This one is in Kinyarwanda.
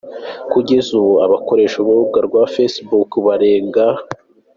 Kugeza ubu, abakoresha urubuga rwa facebook barenga.